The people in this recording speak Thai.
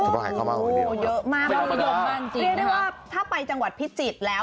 ชั้นไม่ใช่แค่ลองชิมนะลองทำมาแล้ว